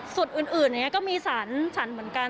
ส่วนอื่นอย่างนี้ก็มีสรรเสร็จเหมือนกัน